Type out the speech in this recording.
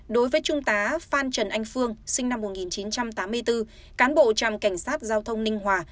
đối với trung tá phan trần anh phương sinh năm một nghìn chín trăm tám mươi bốn cán bộ trạm cảnh sát giao thông ninh hòa